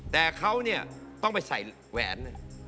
แต่เขาต้องไปใส่แหวน